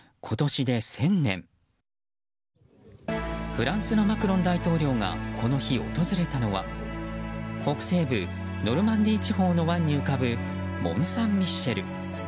フランスのマクロン大統領がこの日、訪れたのは北西部ノルマンディー地方の湾に浮かぶモン・サンミッシェル。